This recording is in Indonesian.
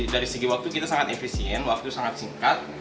dari segi waktu kita sangat efisien waktu sangat singkat